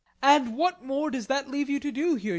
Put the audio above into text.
And what more does that leave you to do here?